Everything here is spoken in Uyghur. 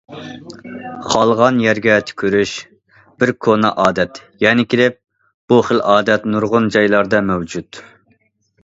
« خالىغان يەرگە تۈكۈرۈش» بىر كونا ئادەت، يەنە كېلىپ، بۇ خىل ئادەت نۇرغۇن جايلاردا مەۋجۇت.